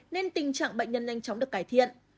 nên tình trạng bệnh nhân nhanh chóng được cải thiện